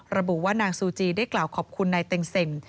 ระบุว่านางซูจีได้กล่าวขอบคุณนายเต็งเซ็ง